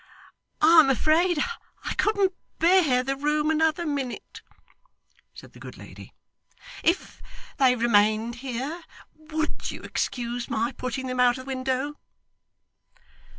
'I'm afraid I couldn't bear the room another minute,' said the good lady, 'if they remained here. WOULD you excuse my putting them out of window?